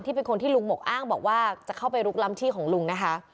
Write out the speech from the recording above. เป็นคนที่ลุงหมกอ้างบอกว่าจะเข้าไปลุกล้ำที่ของลุงนะคะ